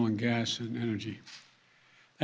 minyak dan energi rusia